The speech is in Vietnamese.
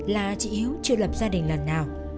là chị hiếu chưa lập gia đình lần nào